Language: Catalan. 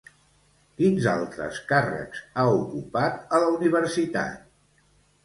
Quins altres càrrecs ha ocupat a la universitat?